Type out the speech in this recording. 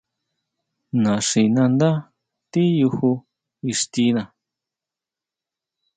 Naxinándá tiyuju ixtiná.